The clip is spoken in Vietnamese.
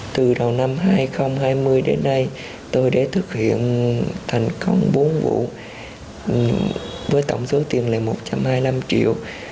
từ đầu năm hai nghìn hai mươi đến nay tôi đã thực hiện thành công bốn vụ với tổng số tiền là một trăm hai mươi năm triệu